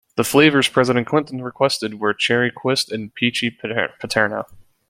The flavors President Clinton requested were Cherry Quist and Peachy Paterno.